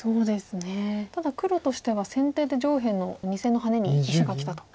ただ黒としては先手で上辺の２線のハネに石がきたと。